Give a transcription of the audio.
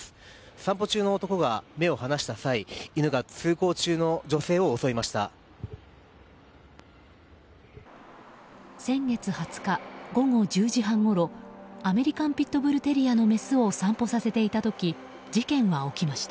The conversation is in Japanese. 散歩中の男が目を離した際犬が通行中の女性を襲いました。